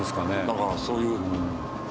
だからそういう事。